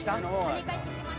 跳ね返ってきました。